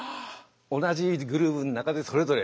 同じグルーヴの中でそれぞれ。